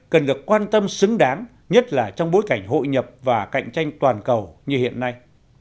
cần được quan tâm xứng đáng nhất là trong bối cảnh hội nhập và cạnh tranh toàn cầu như hiện nay